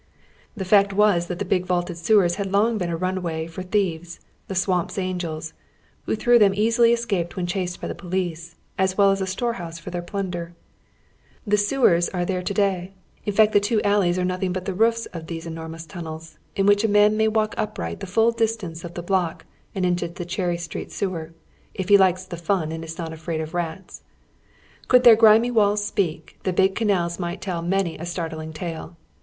The fact was that the big vaulted sewei s had long been a rnnway for thieves — the Swamp Angels— who through them easily es caped wbeTi chased by the police, as well as a storehouse oy Google THE DOWN TOWN BACK ALLEYS. 37 for tlieir plunder, Tlie sewers are there to day; in fact the two alleys are nothing but the roofs of these enormous tunnels ni whidi a man may walk upright the full dis tance of the block and into the Cheny Sti'eet sewer — if he likes the fun and is not afraid of rats. Could their grimy walls speak, the big eanale might tell many a start ■ ling tale.